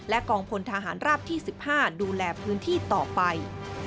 กองพลทหารราบที่๑๕ดูแลพื้นที่ต่อไป